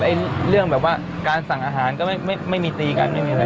เรื่องแบบว่าการสั่งอาหารก็ไม่มีตีกันไม่มีอะไร